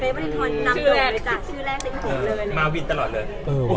มันเลยถอยนำหน่อยจากชื่อแรกที่ผมเห็น